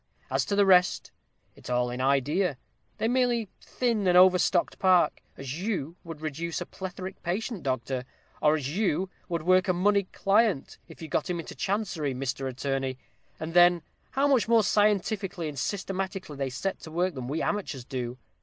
As to the rest, it's all in idea; they merely thin an overstocked park, as you would reduce a plethoric patient, doctor; or as you would work a moneyed client, if you got him into Chancery, Mister Attorney. And then how much more scientifically and systematically they set to work than we amateurs do!